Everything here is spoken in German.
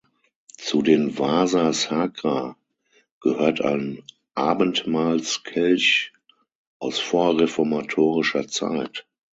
Zu den Vasa Sacra gehört ein Abendmahlskelch aus vorreformatorischer Zeit.